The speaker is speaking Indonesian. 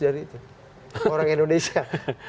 dari itu orang indonesia